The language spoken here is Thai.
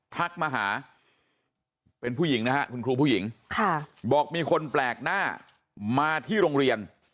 ทักมาหาเป็นผู้หญิงนะฮะคุณครูผู้หญิงบอกมีคนแปลกหน้ามาที่โรงเรียน